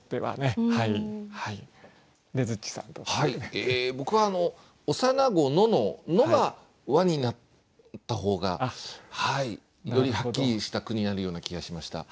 え僕は「幼子の」の「の」が「は」になった方がよりはっきりした句になるような気がしました。